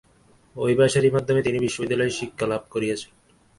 ঐ ভাষার মাধ্যমেই তিনি বিশ্ববিদ্যালয়ের শিক্ষা লাভ করিয়াছেন।